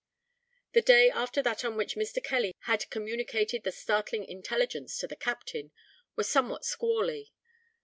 The day after that on which Mr. Kelly had communicated the startling intelligence to the captain, was somewhat squally.